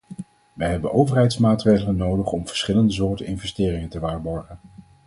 Wij hebben overheidsmaatregelen nodig om verschillende soorten investeringen te waarborgen.